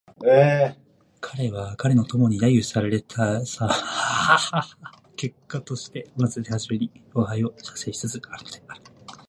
彼は彼の友に揶揄せられたる結果としてまず手初めに吾輩を写生しつつあるのである